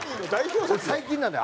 俺最近なんだよ